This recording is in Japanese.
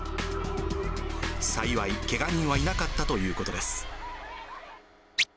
幸い、けが人はいなかったということです。